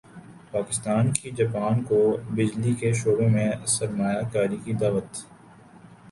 پاکستان کی جاپان کو بجلی کے شعبے میں سرمایہ کاری کی دعوت